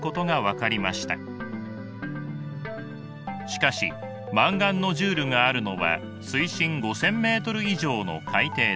しかしマンガンノジュールがあるのは水深５，０００メートル以上の海底です。